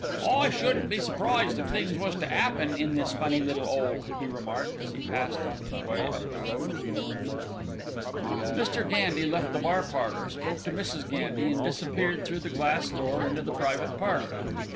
"I shouldn't be surprised if things was to 'appen in this funny little 'ole," he remarked, as he passed on his way up the road. Mr. Gandy left the bar parlour, spoke to Mrs. Gandy, and disappeared through the glass door into the private parlour.